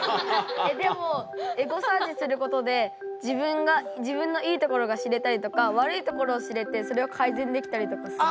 でもエゴサーチすることで自分のいいところが知れたりとか悪いところを知れてそれを改善できたりとかする。